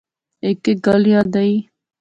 ہیک ہیک گل یاد آئی